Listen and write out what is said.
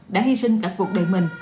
đã hy sinh cả cuộc đời mình